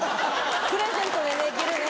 ・プレゼントでできるね・